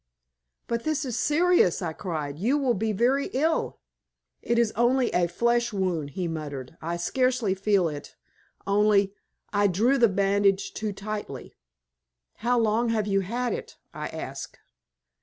"But this is serious!" I cried. "You will be very ill." "It is only a flesh wound," he muttered. "I scarcely feel it; only I drew the bandage too tightly." "How long have you had it?" I asked.